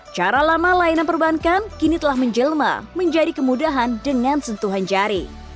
cara lama layanan perbankan kini telah menjelma menjadi kemudahan dengan sentuhan jari